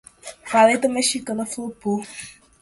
Paleta mexicana flopou